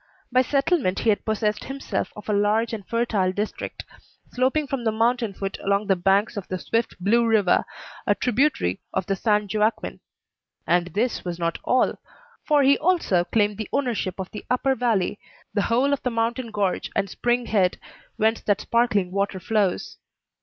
By settlement he had possessed himself of a large and fertile district, sloping from the mountain foot along the banks of the swift Blue River, a tributary of the San Joaquin. And this was not all; for he also claimed the ownership of the upper valley, the whole of the mountain gorge and spring head, whence that sparkling water flows.